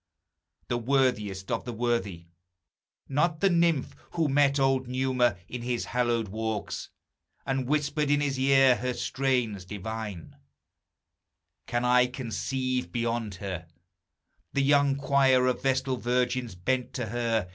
The worthiest of the worthy! Not the nymph Who met old Numa in his hallowed walks, And whispered in his ear her strains divine, Can I conceive beyond her; the young choir Of vestal virgins bent to her.